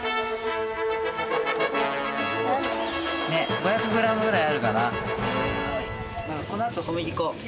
５００ｇぐらいあるかな。